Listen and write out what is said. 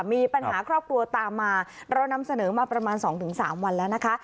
มีปัญหาครอบครัวตามมาเรานำเสนอมาประมาณ๒๓วันแล้วนะคะ